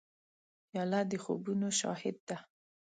پیاله د خوبونو شاهد ده.